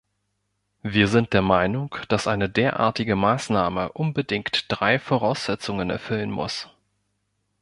Wir sind der Meinung, dass eine derartige Maßnahme unbedingt drei Voraussetzungen erfüllen muss.